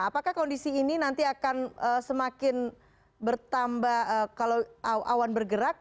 apakah kondisi ini nanti akan semakin bertambah kalau awan bergerak